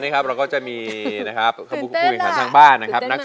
พูดรหัวพูดเฉินขันทั้งบ้าน